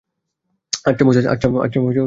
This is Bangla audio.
আচ্ছা, মোসেস।